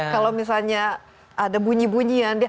kalau misalnya ada bunyi bunyian